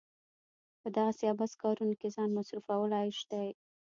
په دغسې عبث کارونو کې ځان مصرفول عيش دی.